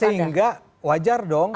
sehingga wajar dong